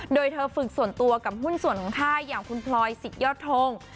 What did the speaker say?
โดยเธอฝึกส่วนตัวกับหุ้นส่วนของค่ายอย่างคุณพลอยสิทธิยอดทง